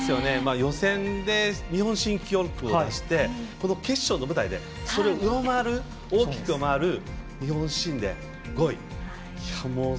予選で日本新記録を出してこの決勝の舞台で大きく上回る日本新で５位。